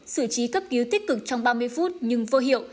sử trí cấp cứu tích cực trong ba mươi phút nhưng vô hiệu